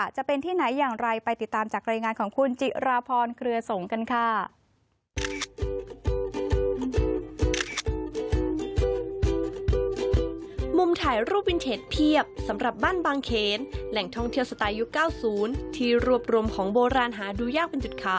จะเป็นที่ไหนอย่างไรไปติดตามจากรายงานของคุณจิราพรเครือสงกันค่ะ